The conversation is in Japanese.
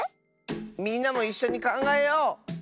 みんなもいっしょにかんがえよう！